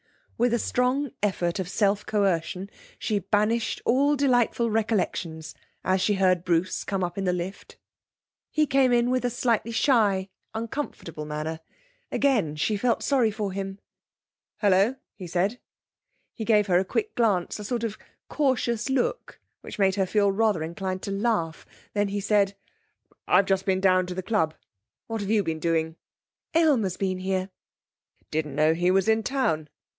With a strong effort of self coercion she banished all delightful recollections as she heard Bruce come up in the lift. He came in with a slightly shy, uncomfortable manner. Again, she felt sorry for him. 'Hallo!' he said. He gave her a quick glance, a sort of cautious look which made her feel rather inclined to laugh. Then he said: 'I've just been down to the club. What have you been doing?' 'Aylmer's been here.' 'Didn't know he was in town.'